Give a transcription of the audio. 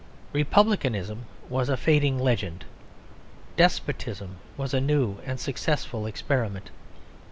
Republicanism was a fading legend; despotism was a new and successful experiment.